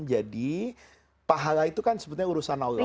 pahala itu kan sebetulnya urusan allah